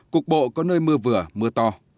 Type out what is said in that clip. cục bộ có nơi mưa vừa mưa to